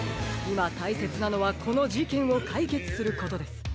いまたいせつなのはこのじけんをかいけつすることです。